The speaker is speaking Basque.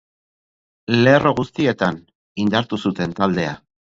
Lerro guztietan indartu zuten taldea.